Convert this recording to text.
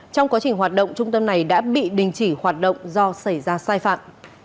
trong quá trình hoạt động trung tâm này đã bị đình chỉ hoạt động do xảy ra sai phạm